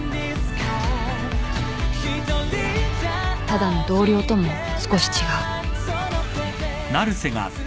［ただの同僚とも少し違う］